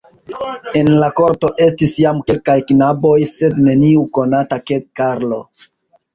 En la korto estis jam kelkaj knaboj, sed neniu konata de Karlo.